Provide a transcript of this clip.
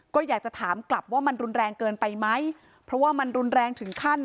ก็อยากจะถามกลับว่ามันรุนแรงเกินไปไหมเพราะว่ามันรุนแรงถึงขั้น